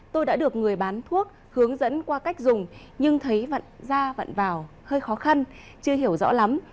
tôi đã được người bán thuốc hướng dẫn qua cách dùng nhưng thấy da vận vào hơi khó khăn chưa hiểu rõ lắm